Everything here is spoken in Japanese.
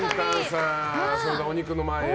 それではお肉の前へ。